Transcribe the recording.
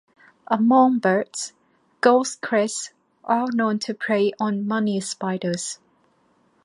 Among birds, goldcrests are known to prey on money spiders.